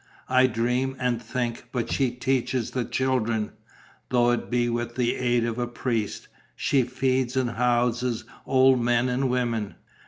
I dream and think; but she teaches the children, though it be with the aid of a priest; she feeds and houses old men and women."